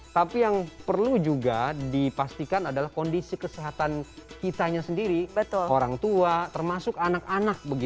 tapi yang perlu juga dipastikan adalah kondisi kesehatan kitanya sendiri orang tua termasuk anak anak